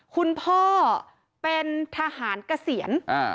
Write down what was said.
คุณพ่อเป็นทหารเกษียณ